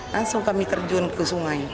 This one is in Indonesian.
langsung kami terjun ke sungai